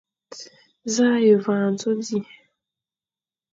Za a ye van adzo di ?